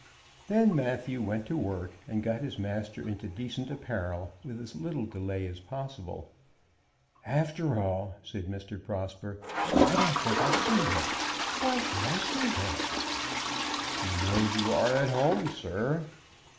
Then Matthew went to work, and got his master into decent apparel, with as little delay as possible. "After all," said Mr. Prosper, "I don't think I'll see her. Why should I see her?" "She knows you are at home, sir."